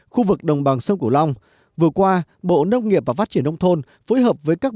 khu vực đồng bằng sông cổ long vừa qua bộ nông nghiệp và phát triển nông thôn phối hợp với các